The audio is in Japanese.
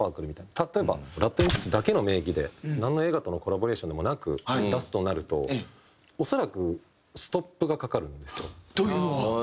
例えばＲＡＤＷＩＭＰＳだけの名義でなんの映画とのコラボレーションでもなく出すとなると恐らくストップがかかるんですよ。というのは？